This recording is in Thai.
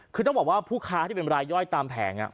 คือต้องบอกว่าผู้ค้าที่เป็นรายย่อยตามแผง